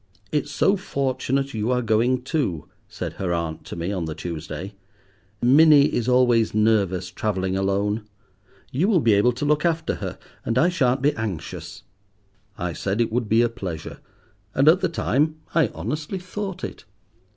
"It's so fortunate you are going too," said her aunt to me on the Tuesday; "Minnie is always nervous travelling alone. You will be able to look after her, and I shan't be anxious." I said it would be a pleasure, and at the time I honestly thought it.